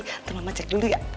nanti mama cek dulu ya